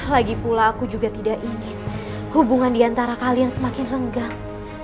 lagi pula aku juga tidak ingin hubungan diantara kalian semakin renggang